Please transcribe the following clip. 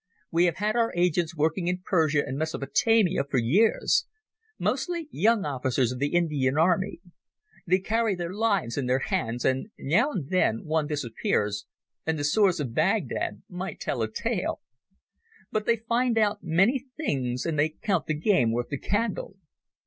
We have had our agents working in Persia and Mesopotamia for years—mostly young officers of the Indian Army. They carry their lives in their hands, and now and then one disappears, and the sewers of Baghdad might tell a tale. But they find out many things, and they count the game worth the candle.